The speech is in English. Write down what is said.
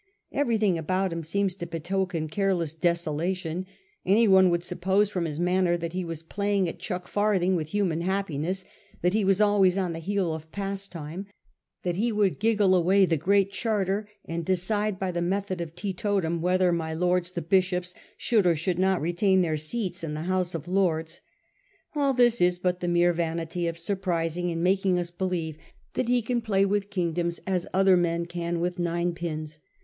Everything about him seems to betoken careless desolation ; anyone would suppose from his manner that he was playing at chuck farthing with human happiness ; that he was always on the heel of pastime ; that he would giggle away the Great Charter, and decide by the method of teetotum whether my lords the bishops should or should not retain their seats in the House of Lords. . All this is but the mere vanity of surprising, and making us believe that he can play with kingdoms as other men can with ninepins.